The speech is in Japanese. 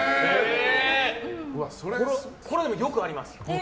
これ、よくあります。